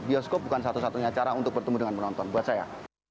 bioskop bukan satu satunya cara untuk bertemu dengan penonton buat saya